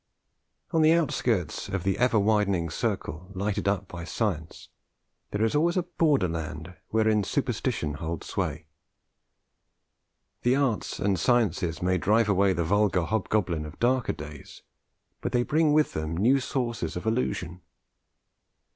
_ On the outskirts of the ever widening circle lighted up by science there is always a border land wherein superstition holds sway. 'The arts and sciences may drive away the vulgar hobgoblin of darker days; but they bring with them new sources of illusion.